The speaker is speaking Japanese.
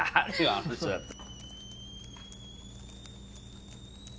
あの人だったら。